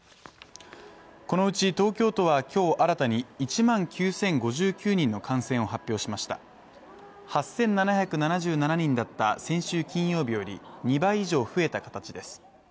このうち東京都はきょう新たに１万９０５９人の感染を発表しました８７７７人だった先週金曜日より２倍以上増えた形です